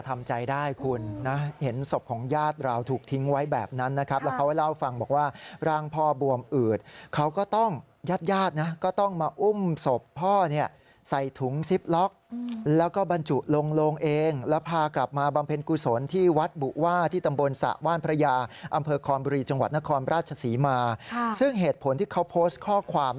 แต่ผิดชอบว่าแค่ทำให้แบบขอโทษที่ไม่ได้เจ็งเวลา